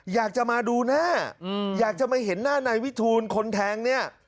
อยากจะมาดูหน้าอยากจะมาเห็นหน้านายวิทูลคนแทงเนี่ย